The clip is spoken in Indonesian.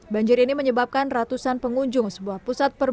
banjir ini menyebabkan ratusan pengunjung sebuah pusat perbelanja